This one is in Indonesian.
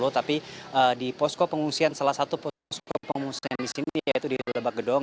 tapi di posko pengungsian salah satu posko pengungsian di sini yaitu di lebak gedong